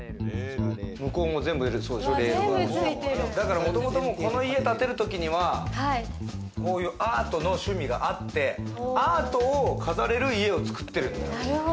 向こうも全部もともとこの家を建てるときにはこういうアートの趣味があって、アートを飾れる家を作ってる。